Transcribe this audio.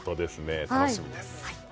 楽しみです。